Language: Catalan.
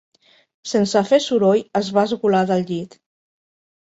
Sense fer soroll es va esgolar del llit.